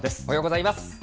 おはようございます。